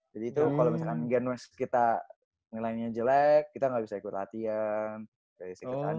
jadi kalau misalkan gen west kita nilainya jelek kita gak bisa ikut latihan ikut tanding gitu